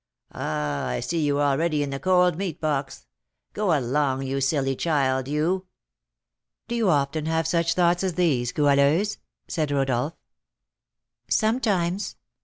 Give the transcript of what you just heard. "Ah, I see you already in the 'cold meat box.' Go along, you silly child, you!" "Do you often have such thoughts as these, Goualeuse?" said Rodolph. "Sometimes.